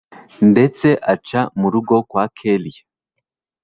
ndetse aca murugo kwa kellia